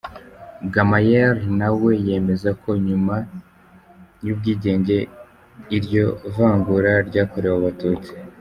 Gamaliel nawe yemeza ko nyuma y’ubwigenge iryo vangura ryakorewe Abatutsi.